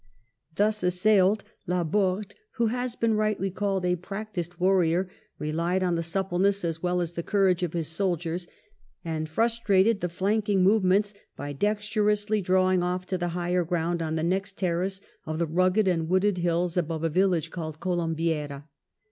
Thus assailed, Laborde, who has been rightly called a prac tised warrior, relied on the suppleness as well as the courage of his soldiers, and frustrated the, flanking movements by dexterously drawing off" to the higher ground on the next terrace of the rugged and wooded hills above a village called Columbeira.